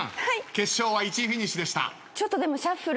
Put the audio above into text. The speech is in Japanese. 決勝は１位フィニッシュでした。